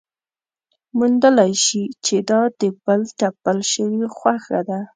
موندلی شي چې دا د بل تپل شوې خوښه ده.